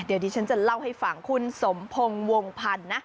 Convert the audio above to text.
เดี๋ยวดิฉันจะเล่าให้ฟังคุณสมพงศ์วงพันธ์นะ